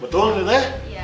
betul nih teh